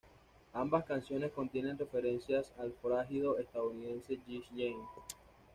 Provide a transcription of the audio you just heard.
Ambas canciones contienen referencias al forajido estadounidense Jesse James.